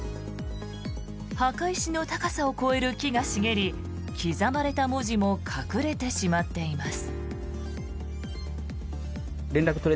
墓石の高さを超える木が茂り刻まれた文字も隠れてしまっています。